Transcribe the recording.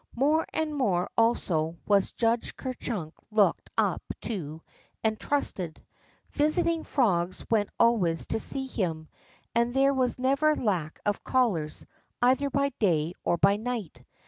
More and more also was Judge Ker Chunk looked up to and trusted. Visiting frogs went always to see him, and there was never lack of callers, either by day or by night.